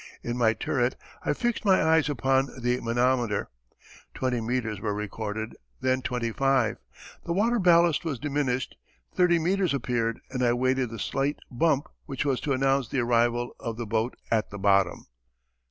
In my turret I fixed my eyes upon the manometer. Twenty meters were recorded, then twenty five. The water ballast was diminished thirty meters appeared and I waited the slight bump which was to announce the arrival of the boat at the bottom.